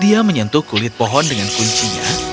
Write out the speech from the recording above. dia menyentuh kulit pohon dengan kuncinya